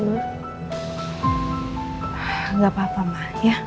tidak apa apa ma